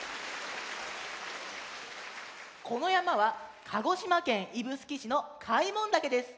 このやまは鹿児島県指宿市の開聞岳です。